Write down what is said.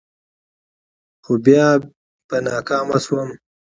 خو بیا به ناکام شوم.